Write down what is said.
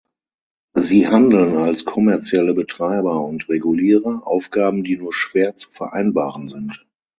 Sie handeln als kommerzielle Betreiber und Regulierer, Aufgaben, die nur schwer zu vereinbaren sind.